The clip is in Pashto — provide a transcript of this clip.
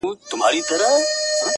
o اوس له نړۍ څخه خپه يمه زه.